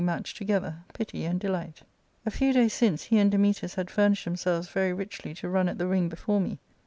matched together — pity and delight "A few days since he and Dametas had furnished them selves very richly to run ?t the .ring before me.